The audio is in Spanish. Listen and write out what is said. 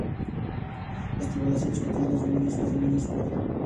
Representa las tribulaciones cotidianas de un niño superdotado.